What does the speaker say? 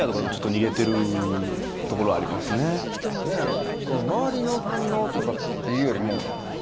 と何やろう？